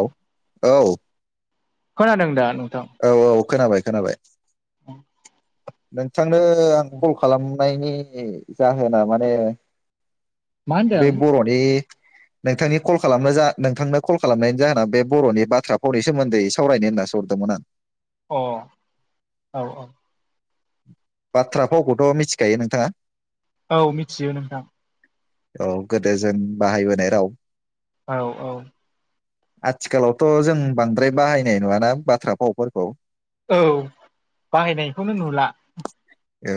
औ औ । खोनादों दा नोंथां औ औ खोनाबाय खोनाबाय [inaudible] मोन्थि थांनो आं कल खालाम नायनि जाहोना माने मा बे होनदों बर'नि नोंथांनि कल खालामनो जा नोंथांनो कल खालामनायनि जाहोनाव बे बर'नि बाथ्रा फावनि सोमोन्दै सावरायनो होनना सो हरदोंमोन आं । अ औ -औ बाथ्रा फावखौथ' मिथिखायो नोंथाङा? औ मिथियो नोंथां । औ गोदो जों बाहायबोनाय राव औ औ आथिखालावथ' जों बांद्राय बाहायनाय नुआना बाथ्रा फावफोरखौ? औ बाहायनायखौनो नुला । औ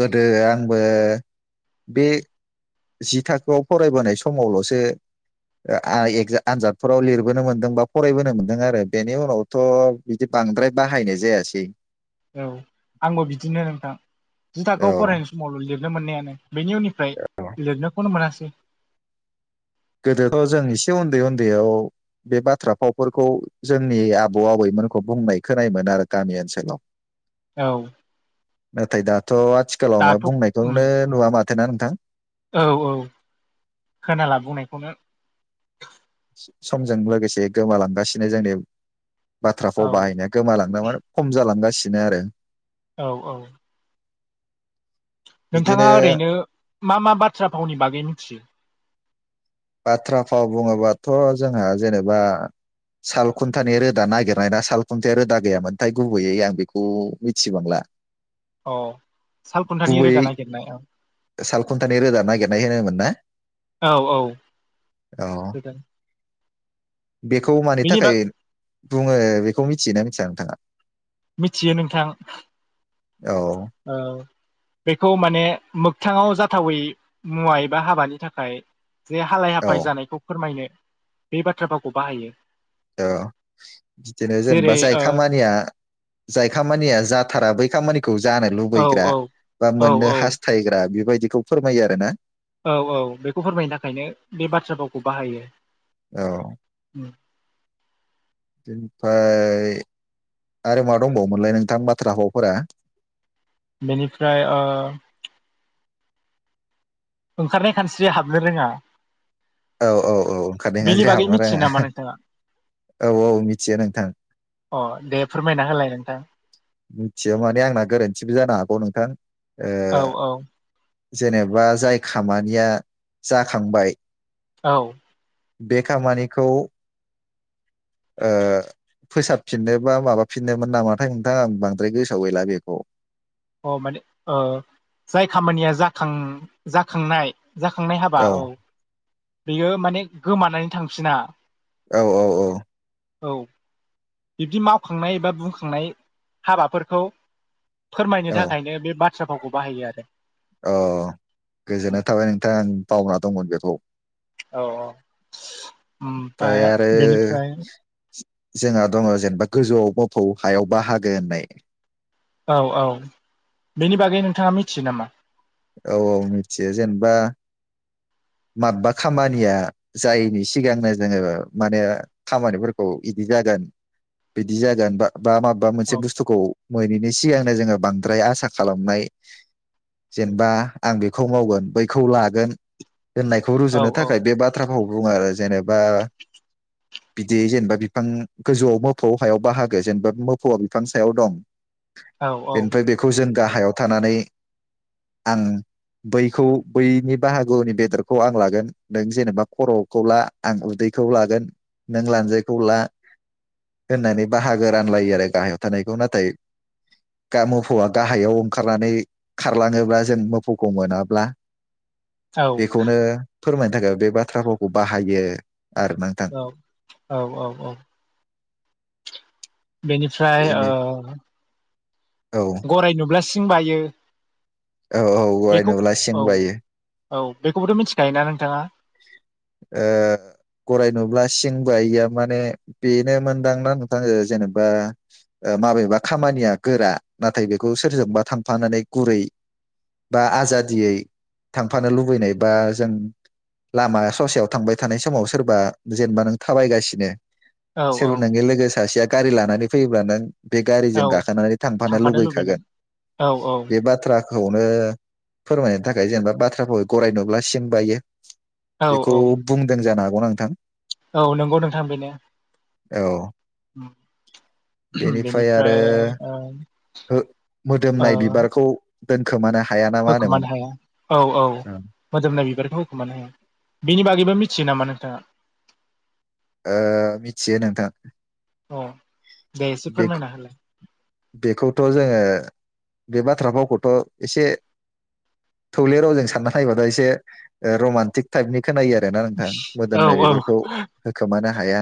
गोदो आंबो बे जि थाखोआव फरायबोनाय समावल'सो ए आनजादफोराव लिरबोनो मोनदों बा फरायबोनो मोन्दों आरो बेनि उनावथ' बिदि बांद्राय बाहायनाय जायासै । औ आंबो बिदिनो नोंथां जिु औ थाखोआव फरायनाय समावल' लिर नो मोननायानो । बेनि उननिफ्राय लिरनोखौनो मोनासै । [unintelligible] थ' जों एसे उन्दै उन्दैयाव बे बाथ्रा फावफोरखौ जोंनि आबौ आबैमोनखौ बुंनाय खोनायोमोन आरो गामि ओनसोलाव । औ नाथाय दा । थ' आथिखालाव म दाथ' उम बुंनायखौनो नुवा माथ खोनादोंना नोंथां औ औ खोनाला बुंनायखौनो समजों लोगोसे गोमालांगासिनो जोंनि औ बाथ्राफ्राव बाहायनाया गोमालांदोंमोन खम जालांगासिनो आरो औ औ बिदिनो नोंथाङा ओरैनो मा मा बाथ्रा फावनि बागै मिथियो बाथ्रा फाव बुङोबाथ' जोंहा जेनेबा सालखुन्थानि रोदा नागिरनायना सालखुन्थाया रोदा गैयामोनथाय गुबैयै आं बेखौ मिथिबांला अ सालखुन्थानि रोदा गुबैयै नागिरनाय औ सालखुन्थानि रोदा नागिरनाय होनोमोन ना? औ औ औ रोदा बेखौ मानि बेनि थाखाय बाग बुङो बेखौ मिथियोना मिथिया नोंथाङा मिथियो नोंथां औ औ बेखौ माने मोगथाङाव जाथावै मुवा एबा हाबानि थाखाय बिदिनो हालाय औ हाफाय जानायखौ फोरमायनो बे बाथ्रा भावखौ बाहायो औ बिदिनो जेनेबा जेरै जाय ओ खामानिआ जाय खामानिया जाथारा बै खामानि खौ जानो औ लुबैग्रा औ बा औ मोननो औ हास्थायग्रा बेबादि बिखौ फोरमायो आरो ना औ - औ बेखौ फोरमायनो थाखायनो बे बाथ्रा भावखौ बाहायो औ बेनिफ्राय आरो मा दंबावोमोनलाय नोंथां बाथ्रा भावफोरा बेनिफ्राय ओ ओंखारनाय खानस्रिया हाबनो रोङा औ - औ - औ ओंखारनाय बेनि खानस्रिया बागै हाबनो मिथियो नामा रोङा नोंथाङा औ - औ मिथियो नोंथां अ दे फोरमायना होलाय नोंथां मिथियो माने आंना गोरोन्थिबो जानो हागौ नोंथां ओ औ - औ जेनेबा जाय खामानिया जाखांबाय औ बे खामानिखौ ओ फोसाबफिननो बा माबाफिननोमोन नामाथाय नोंथां आं बांद्राय गोसाव गैला बेखौ अ माने ओ जाय खामानिया जाखां जाखांनाय जाखांनाय हाबा औ बेयो माने गोमानानै थांफिना औ - औ - औ औ बिब्दि मावखांनाय एबा बुंखांनाय हाबाफोरखौ फोरमायनो औ - थाखायनो बे बाथ्रा फावखौ बाहायो आरो अ गोजोननाय थाबाय नोंथां बावना दंमोन बेखौ औ अ ओमफ्राय ओमपाय आरो बेनिफ्राय जोंहा दङ जेनेबा गोजौआव मोफौ हायाव बाहागो होननाय औ - औ बेनि बागै नोंथाङा मिथियो नामा औ - औ मिथियो जेनेबा माबबा खामानिया जायैनि सिगांनो जोङो माने खामानिफोरखौ यिदि जागोन बिदि जागोन बा बा माबा मोनसे औ बुस्थुखौ मोनिनि सिगांनो जोङो बांद्राय आसा खालामनाय जेनेबा आं बेखौ मावगोन बैखौ लागोन होननायखौ औ रुजुनो औ थाखाय बे बाथ्रा भ [unintelligible] आरो जेनेबा बिदि जेनेबा बिफां गोजौआव मोफौ हायाव बाहागो जेनेबा मोफौआ बिफां सायाव दं औ बेनिफ्राय बेखौ जों गाहायाव थानानै आं बैखौ बैनि बाहागोनि बेदरखौ आं लागोन नों जेनेबा खर'खौ ला आं उदैखौ लागोन नों लानजायखौ ला होननानै बाहागो रानलायो आरो गाहायाव थानायखौ नाथाय गा मोफौआ गाहायाव ओंखारनानै खारलाङोब्ला जों मोफौखौ मोनाब्ला औ बेखौनो फोरमायनो थाखाय बे बाथ्रा भावखौ बाहायो। आरो नोंथां औ औ औ औ। बेनिफ्राय बेनो ओ औ गराय नुब्ला स सिं बायो औ औ गराय बेखौ नुब्ला सिं औ बायो। औ बेखौबोथ' मिथिखायोना नोंथाङा? ओ गराय नुब्ला सिंबायैया माने बेनो मोनदांना नोंथां जेनेबा ओ माबेबा खामानिया गोरा नाथाय बेखौ सोरजोंबा थांफानानै गुरै बा आजादियै थांफानो लुबैनाय बा जों लामा ससेयाव थांबाय थानाय समाव सोरबा जेनेबा नों थाबायगासिनो औ औ सोरबो नोंनि लोगो सासेया गारि लानानै फैयोब्ला नों बे गारिजों औ गाखोनानै थांफानो लुुबैखागोन औ औ बे बाथ्रा खौनो फोरमायनो थाखाय जेनेबा बाथ्राभावखौ गराय नुब्ला सिं बायो औ बेखौ औ बुंदों जानो हाग। गौना नोंथां। औ नंगौ नोंथां बेनो औ उम बेनिफ्राय ओ ओ दोनखोमाना होखोमानो हाया औ औ मोदोमनाय बिबारखौ होखोमानो हाया। बिनि बागैबो मिथियो नामा नोंथाङा? ओ मिथियो नोंथां औ दे एसे बे फोरमायना होलाय । बेखौथ' जोङो बे बाथ्रा फावखौथ' एसे थौले रावजों सानना नायबथाया एसे ओ रमान्टिक टाइपनि खोनायो आरोना नोंथां औ मोदोमनाय बेफोरखौ होखोमानो हाया।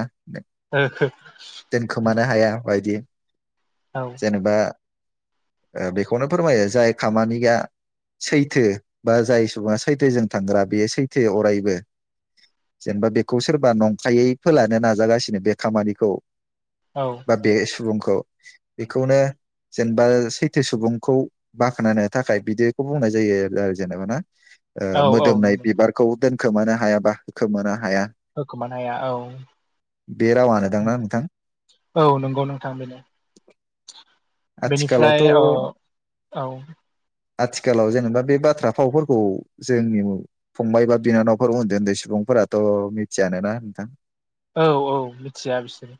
दोनखोमानो हाया। बायदि जेनेबा ओ बेखौनो फोरमायो जाय खामानिया सैथो बा जाय सुबुङा सैथोजों थांग्रा बेयो सैथो अरायबो जेनेबा बेखौ सोरबा नंखायै फोलानो नाजागासिनो बे खामानिखौ औ बा बे सुबुंखौ बेखौनो जेनेबा सैथो सुबुंखौ बाखोनायनो थाखाय बिदिखौ बुंनाय जायो आरो जेनेबा ना। ओ औ औ मोदोमनाय नंगौ बिबारखौ दोन खोमानो हायाबा खोमा हाया होखोमानो हाया औ बे रावानो दांना नोंथां? औ नंगौ नोंथां बेनो बेनिफ्राय औ आथिखालावथ' औ आथिखालाव जेनेबा बे बाथ्रा फावफोरखौ जोंनि फंबाय बा बिनानावफोर उन्दै उन्दै सुबुंफोराथ' मिथियानोना नोंथां? औ औ मिथिया बिसोरो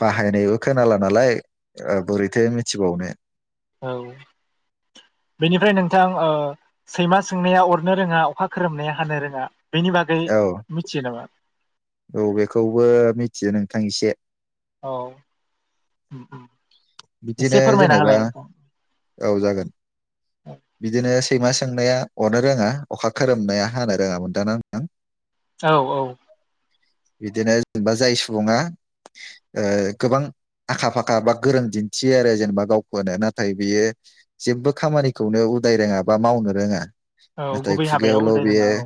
बाहायनायबो खोनाला नालाय बोरैथो मिथिबावनो औ बेनिफ्राय नोंथां ओ सैमा सोंनाया अरनो रोङा अखा खोरोमनाया हानो रोङा बेनि बागै औ मिथियो नामा? औ बेखौबो मिथियो नोंथां एसे औ बिदिनो एसे फोरमायना जेनेबा होलाय नोंथां औ जागोन बिदिनो सैमा सोंनाया अरनो रोङा अखा खोरोमनाया हानो रोङामोन दानां नों औ औ बिदिनो जेनेबा जाय सुबुङा ओ गोबां आखा फाखा बा गोरों दिन थियो आरो जेनेबा गावखौनो नाथाय बियो जेबबो खामानिखौनो उदाय रोङा बा मावनो रोङा औ नाथाय गुबै हाबायाव खुगायावल' उदाय रोङा औ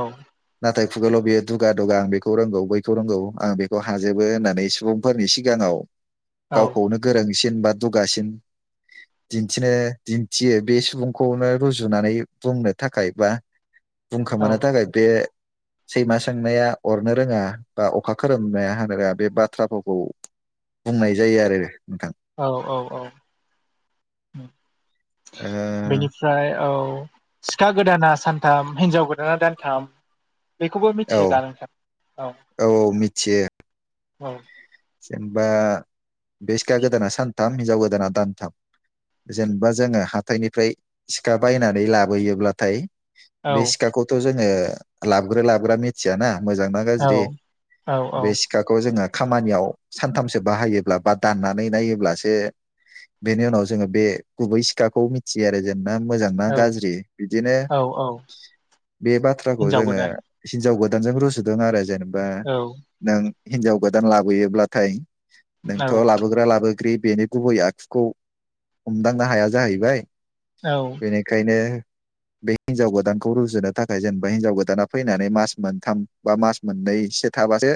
औ खुगाल' बेयो दुगा दुगा आं बेखौ रोंगौ बैखौ रोंगौ आं बेखौ हाजोबो होननानै सुबुंफोरनि सिगाङाव औ गावखौनो गोरों बा दुगासिन दिन्थिनो दिन्थियो बे सुबुंखौनो रुजुनानै बुंनो थाखाय बा बुंखोमानो थाखाय बे सैमा सोंनाया अरनो रोङा बा अखा खोरोमनाया होनो रोङा बे बाथ्राफोरखौ बुंनाय जायो आरो औ औ औ बेनिफ्राय औ सिखा गोदाना सानथाम हिनजाव गोदाना दानथाम। बेखौबो मिथियोदा नोंथां औ थियो औ जेनेबा बे सिखा गोदाना सानथाम हिनजाव गोदाना दानथाम। जेनेबा जोङो हाथायनिफ्राय सिखा बायनानै लाबोयोब्लाथाय औ बे सिखाखौथ' जोङो लाबग्रो लाबग्रा मिथियाना मोजांना गाज्रि औ औ बे सिखाखौ जोङो खामानियाव सानथामसो बाहायोब्ला बा दाननानै नायोब्लासो बेनि उनाव जोङो बे गुबै सिखाखौ मिथियो आरो जों मोजां ना औ गाज्रि बिदिनो औ औ बे बाथ्राखौ हिनजाव जोङो गोदान हिनजाव गोदान [unintelligible] बा औ नों हिनजाव गोदान लाबोयोब्ला थाय। नोंथ' औ लाबोग्रा लाबोग्रि बेनि गुबै आखुखौ हमदांनो हाया जाहैबाय। औ बेनिखायनो बे हिनजाव गोदानखौ रुजुनो थाखाय जेनेबा हिनजाव गोदाना फैनानै मास मोनथाम बा मास मोननैसो थाबासो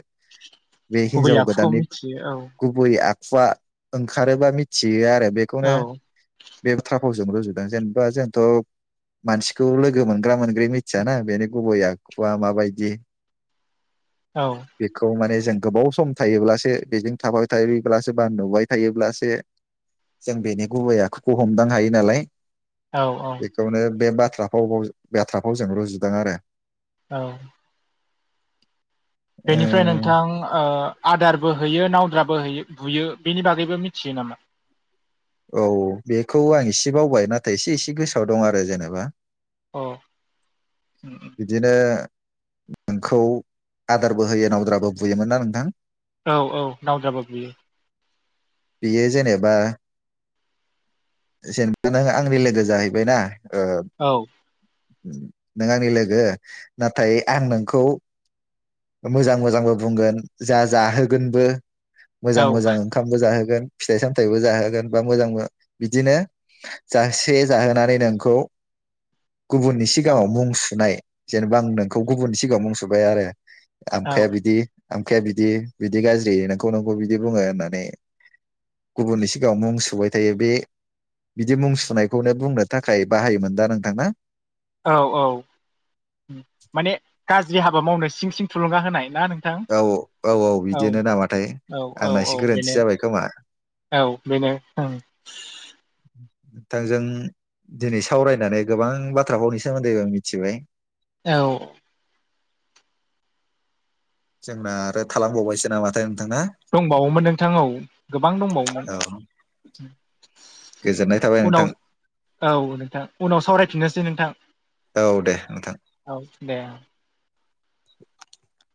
बे हिनजाव गोदाननि थियो औ। आखुवा ओंखारोबा मिथियो आरो। औ बेखौनो बे बाथ्रा फावजोंबो रुजुदों जेनेबा जोंथ' मानसिखौ लोगो मोनग्रा मोनग्रै मिथियाना बेनो गुबै आखुवा माबायदि। औ बेखौ माने जों गोबाव सम थायोब्लासो बेजों थाबाय थायोब्लासो बा नुबाय थायोब्लासो जों बेनि गुबै आखुखौ हमदां हायो नालाय। औ औ बेखौनो बे बा थ्रा फाव बाथ्राफाव जों रुजुदों आरो। औ। बेनिफ्राय ओ नोंथां ओ आदारबो होयो नावद्राबो होयो बुयो बेनि बागैबो मिथियो नामा? औ बेखौ आं इसे बावबाय नाथाय एसे एसे गोसोआव दं आरो जेनेबा अ। बिदिनो नोंखौ आदारबो होयो नावद्राबो बुयोमोन ना नोंथां। औ औ नावद्राबो बुयो। बियो जेनेबा जेनेबा नों आंनि लोगो जाहैबाय ना ओ औ नों आंनि लोगो नाथाय आं नोंखौ मोजां मोजांबो बुंगोन जा जाहोगोनबो औ मोजां मोजां ओंखामबो जाहो गोन फिथाइ सामथायबो जाहोगोन बा मोजांबो बिदिनो जासे जाहोनानै नोंखौ गुबुननि औ सिगाङाव मुं सुनाय जेनेबा आं नोंखौ गुबुननि सिगाङाव मुं सुबाय आरो आमखाया औ बिदि आमखाया बिदि बिदि गाज्रि नोंखौ नोंखौ बिदि बुङो होननानै। गुबुननि सिगाङाव मुं सुबाय थायो। बे बिदि मुं सुनायखौनो बुंनो थाखाय बाहायोमोन दा नोंथां ना? औ औ उम माने गा ज्रि हाबा मावनो सिं सिं थुलुंगा होनाय। ना नोंथां औ औ औ बिदिनो नामाथाय औ औ आंना एसे औ गोरोन्थि बेनो जाबाय खोमा औ बेनो औ। नोंथांजों दिनै सावरायनानै गोबां बाथ्राखौनि सोमोन्दै आं मिथिबाय। औ। जोंना आरो थालांबावबायसो नामाथाय। नोंथां ना दंबावोमोन नोंथां औ गोबां दंबावोमोन औ गोजोननाय थाबाय । नोंथां उनाव औ नोंथां उनाव सावरायफिननोसै नोंथां औ दे नोंथां। औ दे। [inaudible]